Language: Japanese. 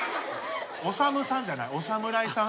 オサムさんじゃないお侍さん。